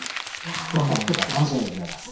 どんなものか楽しみでございます。